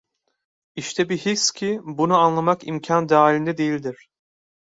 İşte bir his ki bunu anlamak imkân dahilinde değildir.